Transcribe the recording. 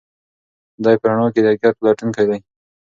دی په رڼا کې د حقیقت پلټونکی دی.